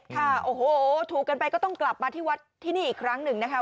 ค่ะโอ้โหถูกกันไปก็ต้องกลับมาที่วัดที่นี่อีกครั้งหนึ่งนะคะ